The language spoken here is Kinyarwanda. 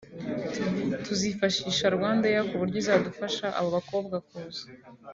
tuzifashisha Rwandair ku buryo izadufasha abo bakobwa kuza